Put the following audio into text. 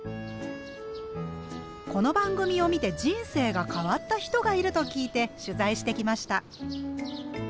この番組を見て人生が変わった人がいると聞いて取材してきました。